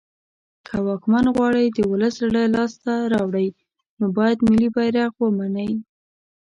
که واکمن غواړی د ولس زړه لاس ته راوړی نو باید ملی بیرغ ومنی